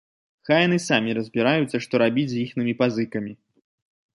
Хай яны самі разбіраюцца, што рабіць з іхнімі пазыкамі.